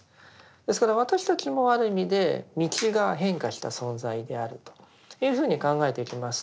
ですから私たちもある意味で「道」が変化した存在であるというふうに考えていきますと